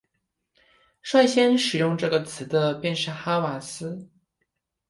率先使用这个词的便是哈瓦斯。